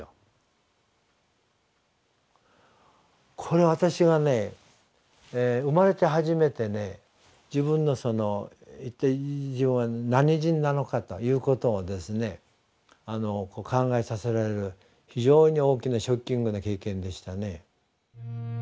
これは私はね生まれて初めて自分の一体自分は何人なのかということを考えさせられる非常に大きなショッキングな経験でしたね。